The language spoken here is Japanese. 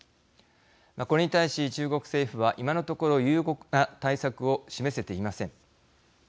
これに対し中国政府は今のところ有効な対策を示せていません。